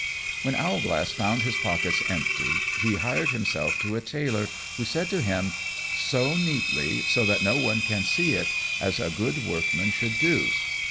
_ When Owlglass found his pockets empty, he hired himself to a Tailor, who said to him, "Sew neatly, so that no one can see it, as a good workman should do."